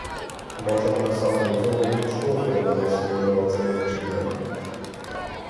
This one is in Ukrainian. Може, вона саме до цього й підштовхує мене своїми оцими вчинками?